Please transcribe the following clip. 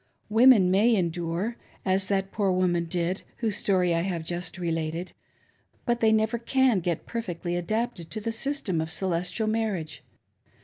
Women may endure, as that poor woman did whose story I have just related, but they never can get perfectly adapted to the system of "Celestial Marriage."